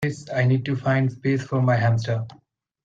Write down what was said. I need to find space for my hamster